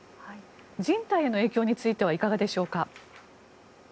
人体への影響についてはいかがでしょうか。